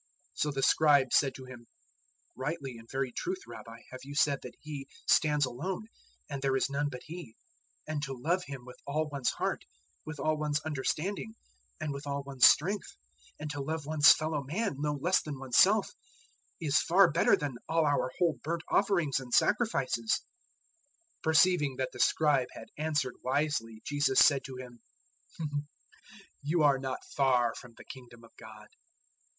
012:032 So the Scribe said to Him, "Rightly, in very truth, Rabbi, have you said that He stands alone, and there is none but He; 012:033 and To love Him with all one's heart, with all one's understanding, and with all one's strength, and to love one's fellow man no less than oneself, is far better than all our whole burnt offerings and sacrifices." 012:034 Perceiving that the Scribe had answered wisely Jesus said to him, "You are not far from the Kingdom of God."